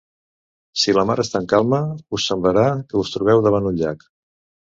Si la mar està en calma, us semblarà que us trobeu davant un llac.